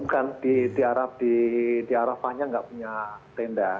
bukan di arafahnya nggak punya tenda